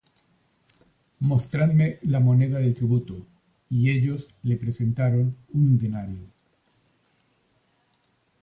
Mostradme la moneda del tributo. Y ellos le presentaron un denario.